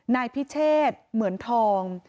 นายพิเชษเหมือนทอง